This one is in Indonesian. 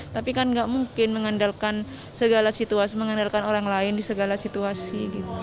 tapi kan tidak mungkin mengandalkan orang lain di segala situasi